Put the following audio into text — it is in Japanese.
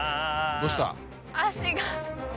どうした？